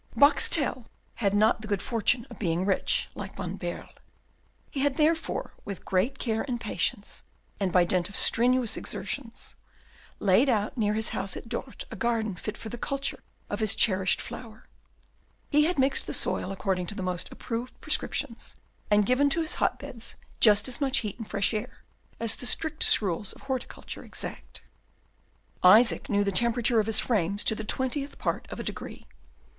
Boxtel had not the good fortune of being rich, like Van Baerle. He had therefore, with great care and patience, and by dint of strenuous exertions, laid out near his house at Dort a garden fit for the culture of his cherished flower; he had mixed the soil according to the most approved prescriptions, and given to his hotbeds just as much heat and fresh air as the strictest rules of horticulture exact. Isaac knew the temperature of his frames to the twentieth part of a degree.